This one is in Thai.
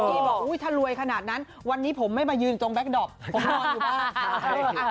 นิกกี้บอกถ้ารวยขนาดนั้นวันนี้ผมไม่มายืนตรงแบคดอร์ปผมนอนอยู่บ้าน